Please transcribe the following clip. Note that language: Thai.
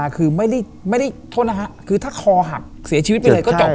คือไม่ได้ทนกลุ่มมาคือถ้าคอหักเสียชีวิตไปก็จก